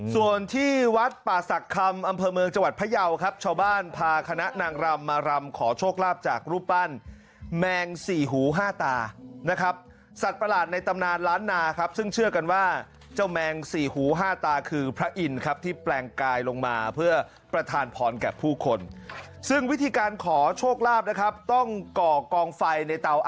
ส่วนที่วัดป่าศักดิ์คำอำเภอเมืองจังหวัดพยาวครับชาวบ้านพาคณะนางรำมารำขอโชคลาภจากรูปปั้นแมงสี่หูห้าตานะครับสัตว์ประหลาดในตำนานล้านนาครับซึ่งเชื่อกันว่าเจ้าแมงสี่หูห้าตาคือพระอินทร์ครับที่แปลงกายลงมาเพื่อประทานพรแก่ผู้คนซึ่งวิธีการขอโชคลาภนะครับต้องก่อกองไฟในเตาอ